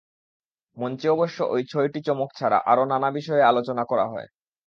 মঞ্চে অবশ্য ওই ছয়টি চমক ছাড়া আরও নানা বিষয়ে আলোচনা করা হয়।